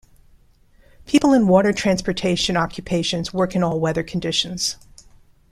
People in water transportation occupations work in all weather conditions.